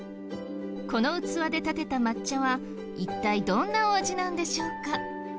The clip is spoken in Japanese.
この器でたてた抹茶は一体どんなお味なんでしょうか？